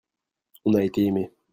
on a été aimé.